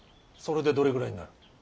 それでどれぐらいになる。